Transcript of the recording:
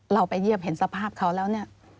เราไปเยี่ยมเห็นสภาพเขาแล้วเนี่ย